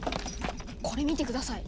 これ見て下さい。